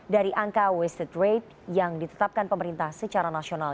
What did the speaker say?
dari angka wasted rate yang ditetapkan pemerintah secara nasional